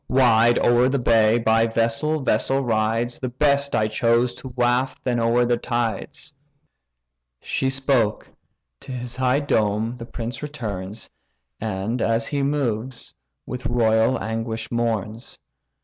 Wide o'er the bay, by vessel vessel rides; The best I choose to waft then o'er the tides." She spoke: to his high dome the prince returns, And, as he moves, with royal anguish mourns.